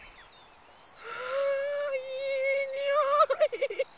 あいいにおい！